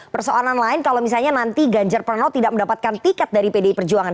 persoalan lain kalau misalnya nanti ganjar pranowo tidak mendapatkan tiket dari pdi perjuangan